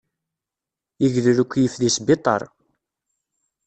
Yegdel ukeyyef deg sbiṭaṛ.